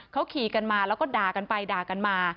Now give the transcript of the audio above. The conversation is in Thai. เขาขี่กันมาแล้วก็ด่ากันไปด่ากันมา